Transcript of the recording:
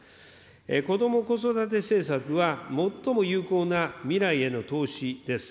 こども・子育て政策は最も有効な未来への投資です。